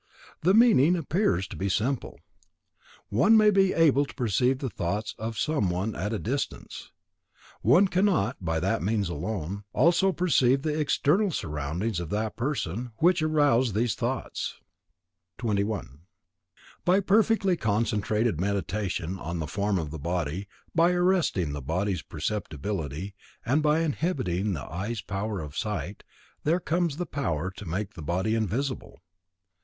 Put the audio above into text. The meaning appears to be simple: One may be able to perceive the thoughts of some one at a distance; one cannot, by that means alone, also perceive the external surroundings of that person, which arouse these thoughts. 21. By perfectly concentrated Meditation on the form of the body, by arresting the body's perceptibility, and by inhibiting the eye's power of sight, there comes the power to make the body invisible.